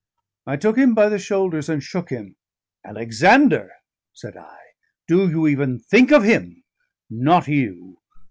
I took him by the shoulders and shook him. "Alexander!" said I. "Do you even think of him? Not you!